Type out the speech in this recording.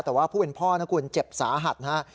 แต่ว่าผู้เป็นพ่อนะคุณเจ็บสาหัสนะฮะ